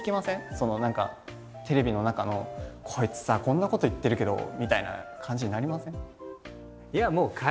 その何かテレビの中のこいつさこんなこと言ってるけどみたいな感じになりません？